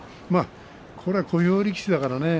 これは小兵力士だからね